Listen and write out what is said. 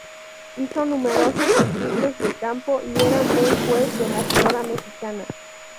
Hizo numerosos estudios de campo y era un buen juez de la flora mexicana.